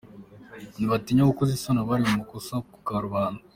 Ntibatinya gukoza isoni abari mu makosa ku karubanda.